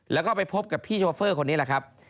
แล้วก็ไปพบกับพี่โชเฟอร์คนนี้แหละครับ